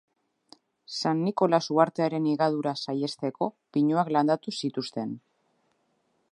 San Nikolas uhartearen higadura saihesteko pinuak landatu zituzten.